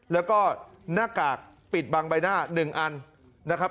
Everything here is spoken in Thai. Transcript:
แล้วก็หน้ากากปิดบังใบหน้า๑อันนะครับ